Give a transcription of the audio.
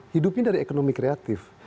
hidupnya dari ekonomi kreatif